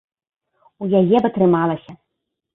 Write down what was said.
У яе б атрымалася.